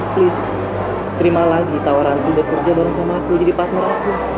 please terima lagi tawaran aku udah kerja bareng sama aku jadi partner aku